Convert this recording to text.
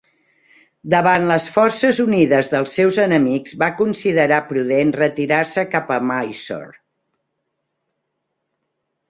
Davant les forces unides dels seus enemics va considerar prudent retirar-se cap a Mysore.